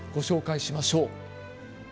ご紹介しましょう。